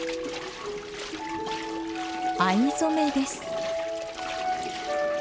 藍染めです。